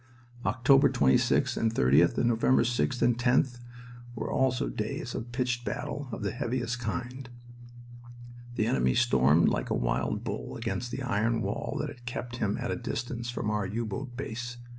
"October 26th and 30th and November 6th and 10th were also days of pitched battle of the heaviest kind. The enemy stormed like a wild bull against the iron wall that kept him at a distance from our U boat base.